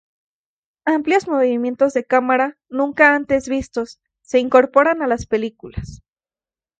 Amplios movimientos de cámara, nunca antes vistos, se incorporaron a las películas.